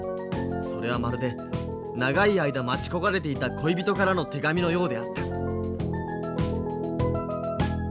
それはまるで長い間待ち焦がれていた恋人からの手紙のようであった